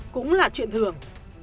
cũng là chuyện thường